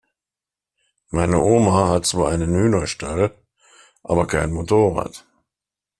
Meine Oma hat zwar einen Hühnerstall, aber kein Motorrad.